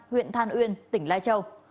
huyện than uyên tỉnh lai châu